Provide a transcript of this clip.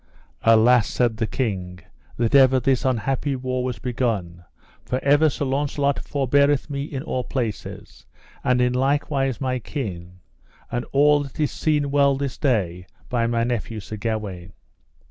Alas, said the king, that ever this unhappy war was begun; for ever Sir Launcelot forbeareth me in all places, and in likewise my kin, and that is seen well this day by my nephew Sir Gawaine.